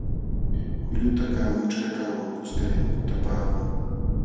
Qullutakaq mućhkakaqwan kuskallam kutapaakun.